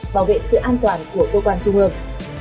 bảo vệ sự an toàn của cơ quan trung ương